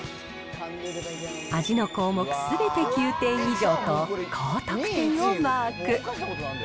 味の項目すべて９点以上と、高得点をマーク。